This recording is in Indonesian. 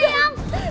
tidak tidak tidak